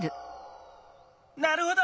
なるほど！